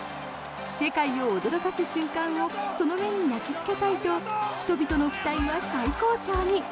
世界を驚かす瞬間をその目に焼きつけたいと人々の期待は最高潮に。